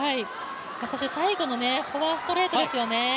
そして最後のフォアストレートですよね。